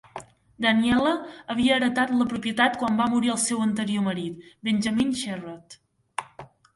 Daniella havia heretat la propietat quan va morir el seu anterior marit, Benjamin Sherrod.